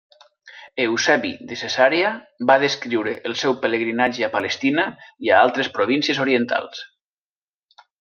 Eusebi de Cesarea va descriure el seu pelegrinatge a Palestina i a altres províncies orientals.